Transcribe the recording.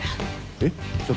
えっ？